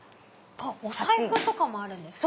お財布とかもあるんですか？